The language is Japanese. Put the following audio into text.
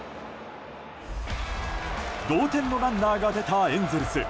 同点のランナーが出たエンゼルス。